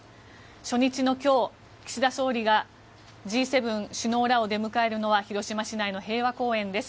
初日の今日、岸田総理がＧ７首脳らを出迎えるのは広島市内の平和公園です。